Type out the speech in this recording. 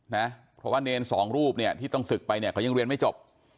นะเพราะว่าเนรสองรูปเนี่ยที่ต้องศึกไปเนี่ยเขายังเรียนไม่จบ